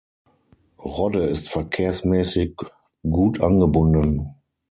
Rodde ist verkehrsmäßig gut angebunden.